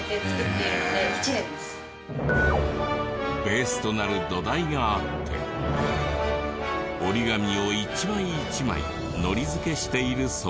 ベースとなる土台があって折り紙を一枚一枚のり付けしているそうで。